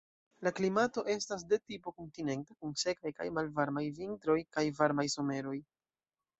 La klimato estas de tipo kontinenta, kun sekaj kaj malvarmaj vintroj kaj varmaj someroj.